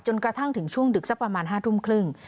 กระทั่งถึงช่วงดึกสักประมาณ๕ทุ่มครึ่ง